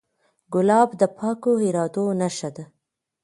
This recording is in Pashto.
ګلاب د پاکو ارادو نښه ده.